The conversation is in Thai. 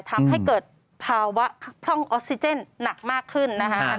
ทำให้เกิดภาวะพร่องออกซิเจนหนักมากขึ้นนะคะ